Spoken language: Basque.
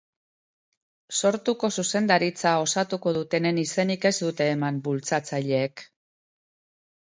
Sortuko zuzendaritza osatuko dutenen izenik ez dute eman bultzatzaileek.